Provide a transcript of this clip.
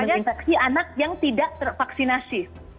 terinfeksi anak yang tidak tervaksinasi